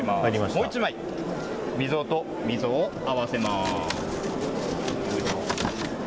もう１枚、溝と溝を合わせます。